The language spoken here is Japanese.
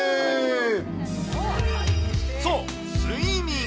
そう、睡眠。